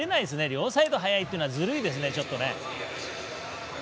両サイド速いっていうのはずるいですよね、ちょっとね。